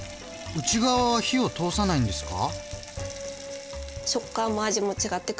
内側は火を通さないんですか？